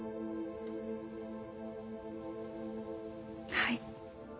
はい。